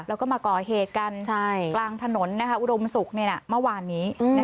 แล้วก็มาก่อเหตุกันกลางถนนอุดมศุกร์เมื่อวานนี้